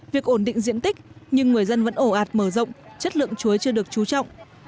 việc ổn định diện tích nhưng người dân vẫn ổ ạt mở rộng chất lượng chuối chưa được trú trọng